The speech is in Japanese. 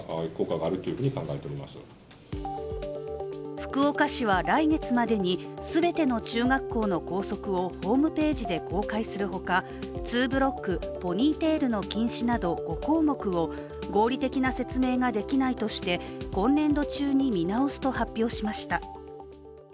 福岡市は来月までに、全ての中学校の校則をホームページで公開するほかツーブロック、ポニーテールの禁止など５項目を合理的な説明ができないとして今年度中に見直すと発表しました。